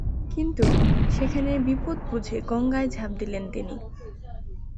কিন্তু সেখানে বিপদ বুঝে গঙ্গায় ঝাঁপ দিলেন তিনি।